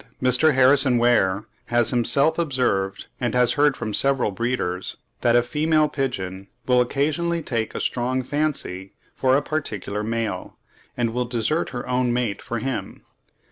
On the other hand, Mr. Harrison Weir has himself observed, and has heard from several breeders, that a female pigeon will occasionally take a strong fancy for a particular male, and will desert her own mate for him.